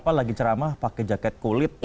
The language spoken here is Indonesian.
apa lagi ceramah pakai jaket kulit gitu kan